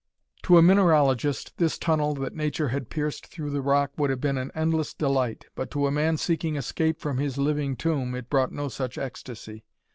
To a mineralogist this tunnel that nature had pierced through the rock would have been an endless delight, but to a man seeking escape from his living tomb it brought no such ecstasy.